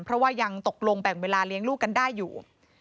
เพราะว่ายังตกลงแบ่งเวลาเลี้ยงลูกกันได้อยู่